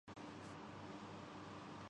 میری خواہش ہے کہ ہماری فوج اور عدلیہ مضبوط ہوں۔